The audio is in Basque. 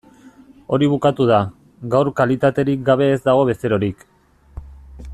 Hori bukatu da, gaur kalitaterik gabe ez dago bezerorik.